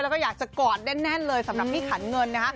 แล้วก็อยากจะกอดแน่นเลยสำหรับพี่ขันเงินนะฮะ